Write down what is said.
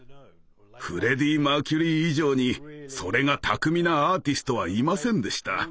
フレディ・マーキュリー以上にそれが巧みなアーティストはいませんでした。